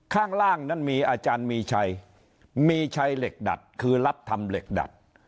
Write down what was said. ข้างล่างนั้นมีอาจารย์มีชัยมีชัยเหล็กดัดคือรับทำเหล็กดัด